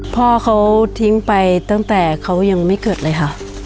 พ่อเขาทิ้งไปตั้งแต่เขายังไม่เกิดเลยค่ะ